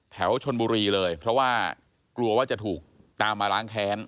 แถวชนบุรีเลยเพราะว่ากลัวว่าจะถูกตามมาล้างแค้น